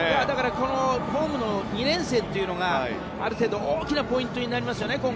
だからホームの２連戦というのがある程度大きなポイントになりますよね